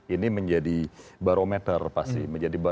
ini menjadi barometer pasti